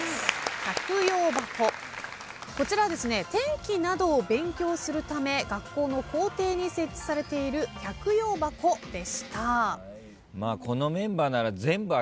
こちら天気などを勉強するため学校の校庭に設置されている百葉箱でした。